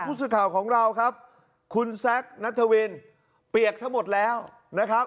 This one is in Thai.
ผู้สื่อข่าวของเราครับคุณแซคนัทวินเปียกทั้งหมดแล้วนะครับ